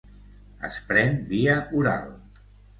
Es pren via oral.